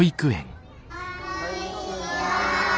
こんにちは。